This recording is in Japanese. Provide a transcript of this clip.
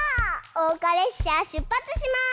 おうかれっしゃしゅっぱつします！